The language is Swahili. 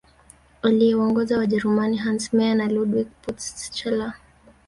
Aliyewaongoza Wajerumani Hans Meyer na Ludwig Purtscheller